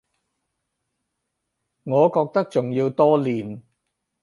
我覺得仲要多練